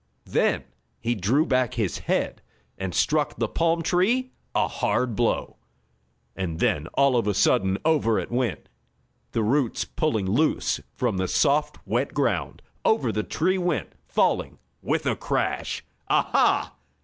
Then he drew back his head and struck the palm tree a hard blow. And then, all of a sudden, over it went, the roots pulling loose from the soft, wet ground. Over the tree went, falling with a crash! "Ah ha!"